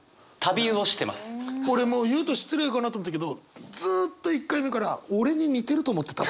俺もう言うと失礼かなと思ったけどずっと１回目から俺に似てると思ってた。